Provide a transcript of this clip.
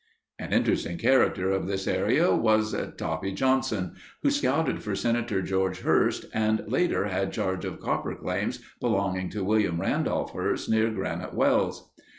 An interesting character of this area was Toppy Johnson, who scouted for Senator George Hearst and later had charge of copper claims belonging to William Randolph Hearst, near Granite Wells.